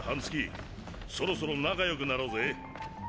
そろそろ仲良くなろうぜ。